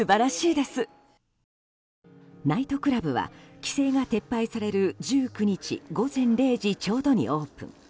ナイトクラブは規制が撤廃される１９日午前０時ちょうどにオープン。